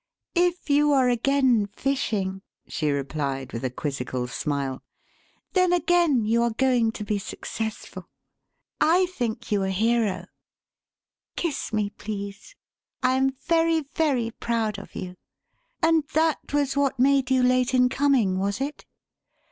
"If you are again 'fishing'," she replied with a quizzical smile, "then again you are going to be successful. I think you a hero. Kiss me, please. I am very, very proud of you. And that was what made you late in coming, was it?"